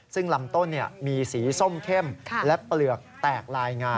ซึ่งลำต้นมีสีส้มเข้มและเปลือกแตกลายงา